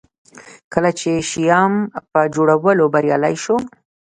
کله چې شیام په جوړولو بریالی شو.